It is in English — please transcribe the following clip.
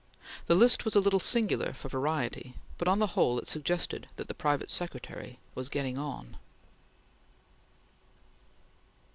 The list was a little singular for variety, but on the whole it suggested that the private secretary was getting on.